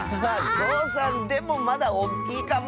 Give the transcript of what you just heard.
ぞうさんでもまだおっきいかもね。